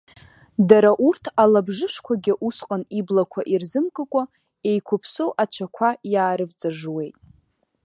Дара урҭ алабжышқәагьы усҟан иблақәа ирзымкыкәа, еиқәыԥсоу ацәақәа иаарывҵыжжуеит.